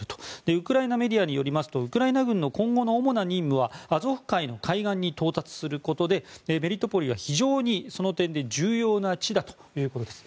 ウクライナメディアによりますとウクライナ軍の今後の主な任務はアゾフ海の海岸に到達することでメリトポリは非常にその点で重要な地だということです。